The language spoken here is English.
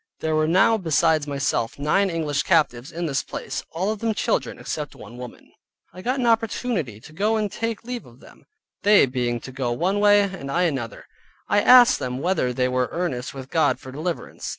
There were now besides myself nine English captives in this place (all of them children, except one woman). I got an opportunity to go and take my leave of them. They being to go one way, and I another, I asked them whether they were earnest with God for deliverance.